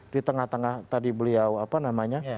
di tengah tengah tadi beliau apa namanya